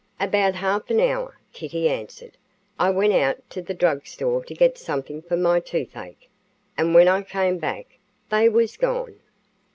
"About half an hour," Kittie answered. "I went out to the drug store to get something for my toothache, and when I came back they was gone."